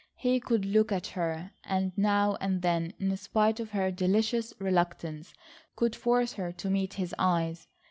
He could look at her, and now and then, in spite of her delicious reluctance, could force her to meet his eyes.